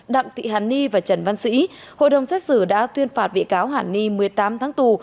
đặng thị hàn ni và trần văn sĩ hội đồng xét xử đã tuyên phạt bị cáo hàn ni một mươi tám tháng tù